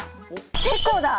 「てこ」だ。